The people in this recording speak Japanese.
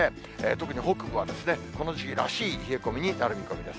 特に北部はこの時期らしい冷え込みになる見込みです。